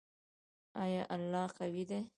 آیا الله قوی دی؟